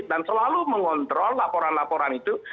dan selalu mengontrol laporan laporan itu